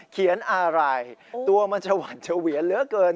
เขียนอะไรตัวมันจะหวั่นเฉวียนเหลือเกิน